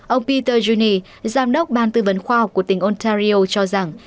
ông peter juni giám đốc ban tư vấn khoa học của tỉnh ontario cho rằng